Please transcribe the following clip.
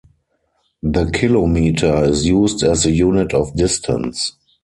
The kilometer is used as the unit of distance.